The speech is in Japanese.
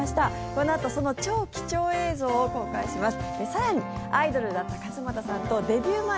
このあとその超貴重映像を公開します。